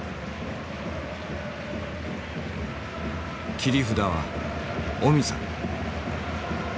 切り札はオミさん。